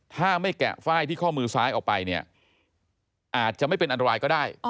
ถ้าไม่แกะฝ้ายที่ข้อมือซ้ายออกไปเนี่ยอาจจะไม่เป็นอันตรายก็ได้